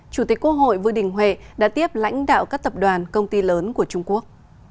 chủ tịch quốc hội vương đình huệ đã tiếp lãnh đạo các tập đoàn công ty lớn của trung quốc